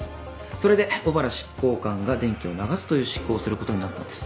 それで小原執行官が電気を流すという執行をする事になったんです。